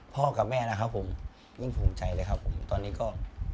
พ่อกับแม่นะครับผมยิ่งภูมิใจเลยครับผมตอนนี้ก็